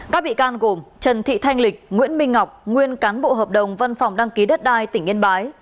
các bị can gồm trần thị thanh lịch nguyễn minh ngọc nguyên cán bộ hợp đồng văn phòng đăng ký đất đai tỉnh yên bái